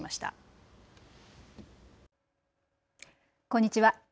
こんにちは。